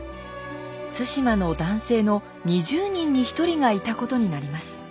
対馬の男性の２０人に１人がいたことになります。